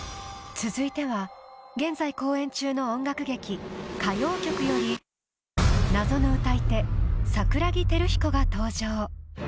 続いては現在公演中の音楽劇「歌妖曲」より謎の歌い手・桜木輝彦が登場。